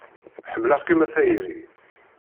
Ḥemmleɣ-kem a tayri.